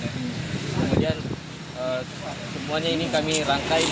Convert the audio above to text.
kemudian semuanya ini kami rangkai